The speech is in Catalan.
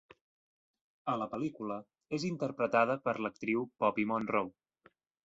A la pel·lícula, és interpretada per l'actriu Poppi Monroe.